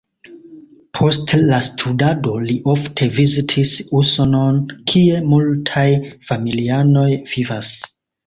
Post la studado li ofte vizitis Usonon, kie multaj familianoj vivas.